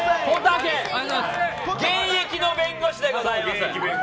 現役の弁護士でございます。